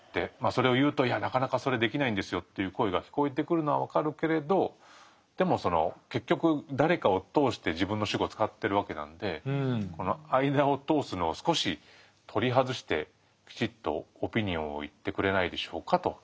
それを言うと「いやなかなかそれできないんですよ」という声が聞こえてくるのは分かるけれどでもその結局誰かを通して自分の主語を使ってるわけなのでこの間を通すのを少し取り外してきちっとオピニオンを言ってくれないでしょうかと。